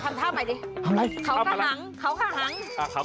มาต่อให้ถูกนะคุณผู้ชมครับ